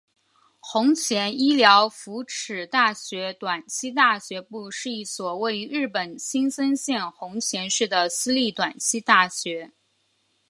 弘前医疗福祉大学短期大学部是一所位于日本青森县弘前市的私立短期大学。